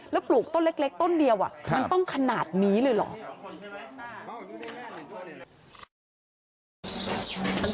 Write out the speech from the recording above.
แล้วปลูกต้นเล็กต้นเดียวมันต้องขนาดนี้เลยเหรอ